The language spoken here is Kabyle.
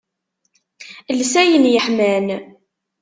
Els ayen yeḥman.